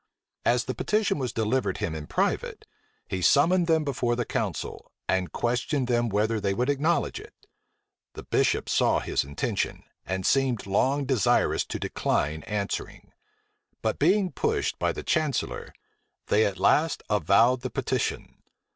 As the petition was delivered him in private, he summoned them before the council; and questioned them whether they would acknowledge it. The bishops saw his intention, and seemed long desirous to decline answering; but being pushed by the chancellor, they at last avowed the petition.